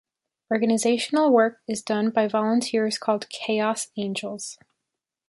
Organizational work is done by volunteers called "Chaos Angels".